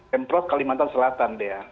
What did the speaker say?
kempros kalimantan selatan